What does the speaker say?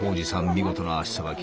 見事な足さばき。